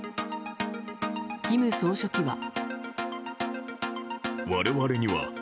金総書記は。